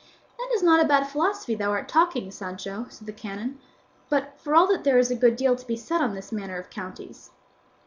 "That is not bad philosophy thou art talking, Sancho," said the canon; "but for all that there is a good deal to be said on this matter of counties."